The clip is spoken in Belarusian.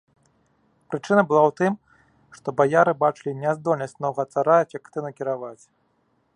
Прычына была ў тым, што баяры бачылі няздольнасць новага цара эфектыўна кіраваць.